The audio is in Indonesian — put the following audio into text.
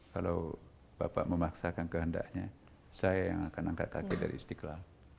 kalau bapak memaksakan kehendaknya saya yang akan angkat kaki dari istiqlal